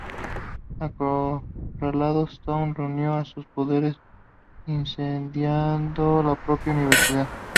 Acorralado, Storm recurrió a sus poderes, incendiando la propia universidad.